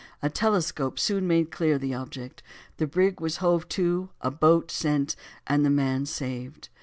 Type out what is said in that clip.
A telescope soon made clear the object; the brig was hove to, a boat sent, and the man saved.